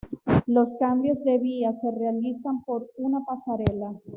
Los cambios de vías se realizan por una pasarela.